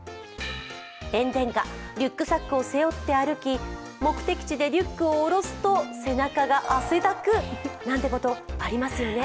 炎天下、リュックサックを背負って歩き目的地でリュックを下ろすと背中が汗だくなんてことありますよね。